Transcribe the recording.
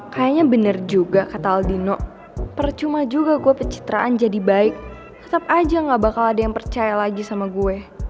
kayaknya bener juga kata aldino percuma juga gue pencitraan jadi baik tetap aja gak bakal ada yang percaya lagi sama gue